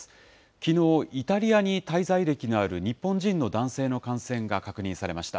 きのう、イタリアに滞在歴のある日本人の男性の感染が確認されました。